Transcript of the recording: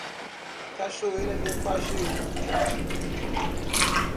Cachoeira de Pajeú